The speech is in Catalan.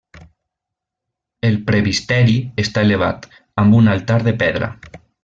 El presbiteri està elevat, amb un altar de pedra.